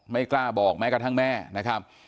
ไม่กล้าบอกแม้กระทั่งแม่นะครับ